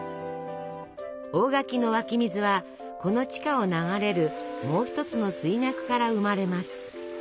大垣の湧き水はこの地下を流れるもう一つの水脈から生まれます。